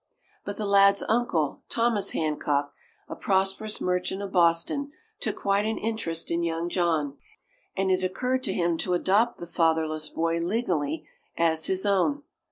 But the lad's uncle, Thomas Hancock, a prosperous merchant of Boston, took quite an interest in young John. And it occurred to him to adopt the fatherless boy, legally, as his own.